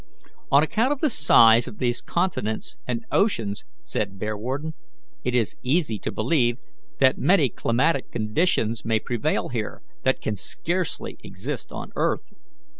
"On account of the size of these continents and oceans," said Bearwarden, "it is easy to believe that many climatic conditions may prevail here that can scarcely exist on earth.